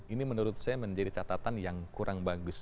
ini menurut saya menjadi catatan yang kurang bagus